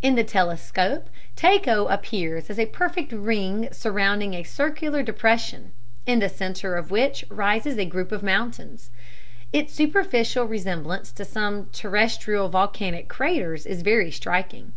In the telescope Tycho appears as a perfect ring surrounding a circular depression, in the center of which rises a group of mountains. Its superficial resemblance to some terrestrial volcanic craters is very striking.